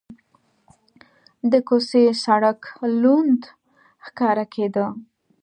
د کوڅې سړک لوند ښکاره کېده.